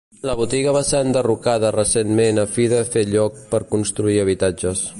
La botiga va ser enderrocada recentment a fi de fer lloc per construir habitatges.